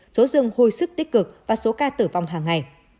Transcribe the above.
số dường hồi sức tích cực và số ca tử vong hàng ngày